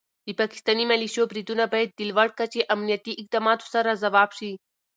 د پاکستاني ملیشو بریدونه باید د لوړ کچې امنیتي اقداماتو سره ځواب شي.